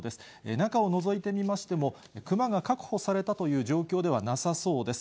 中をのぞいてみましても、クマが確保されたという状況ではなさそうです。